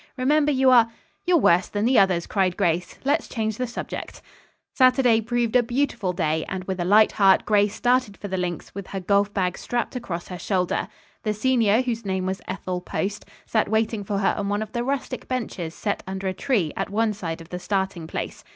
Remember you are " "You're worse than the others," cried Grace, "Let's change the subject." Saturday proved a beautiful day, and with a light heart Grace started for the links with her golf bag strapped across her shoulder. The senior whose name was Ethel Post, sat waiting for her on one of the rustic benches set under a tree at one side of the starting place.